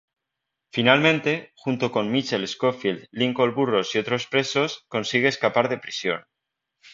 Finalmente, junto con Michael Scofield, Lincoln Burrows y otros presos, consigue escapar de prisión.